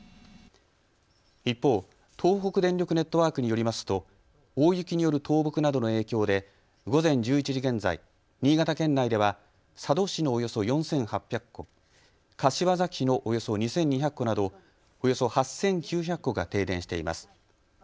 一方、東北電力ネットワークによりますと大雪による倒木などの影響で午前１１時現在、新潟県内では佐渡市のおよそ４８００戸、柏崎市のおよそ２２００戸などおよそ８９００戸が停電しています。